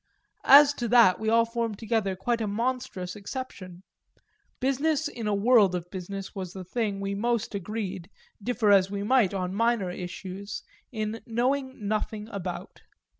As to that we all formed together quite a monstrous exception; business in a world of business was the thing we most agreed (differ as we might on minor issues) in knowing nothing about.